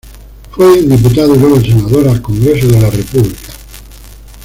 Fue Diputado y luego Senador al Congreso de la República.